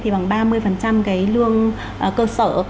thì bằng ba mươi cái lương cơ sở